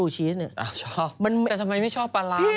ชอบแต่ทำไมไม่ชอบปลาร้า